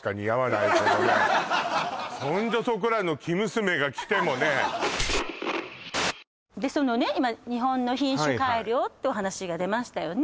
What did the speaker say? そんじょそこらの生娘が着てもねでそのね今日本の品種改良ってお話が出ましたよね